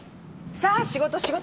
さあ仕事仕事。